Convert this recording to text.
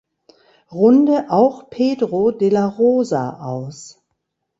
Runde auch Pedro de la Rosa aus.